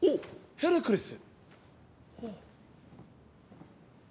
ヘラクレス。